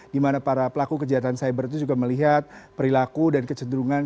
dimana para pelaku kejahatan cyber itu juga melihat perilaku dan kecederungan